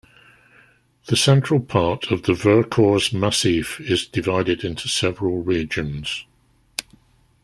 The central part of the Vercors Massif is divided into several regions.